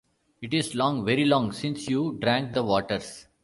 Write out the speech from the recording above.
It is long, very long, since you drank the waters.